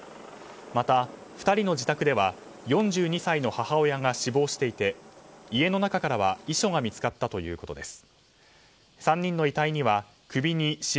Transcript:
また、２人の自宅では４２歳の母親が死亡していて家の中からは遺書が見つかったということです。